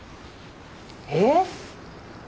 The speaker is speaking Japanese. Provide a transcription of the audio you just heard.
えっ？